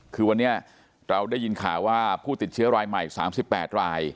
คือวันนี้เราได้ยินข่าวว่าผู้ติดเชื้อรายใหม่๓๘ราย